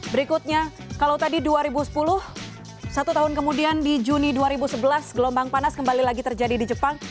berikutnya kalau tadi dua ribu sepuluh satu tahun kemudian di juni dua ribu sebelas gelombang panas kembali lagi terjadi di jepang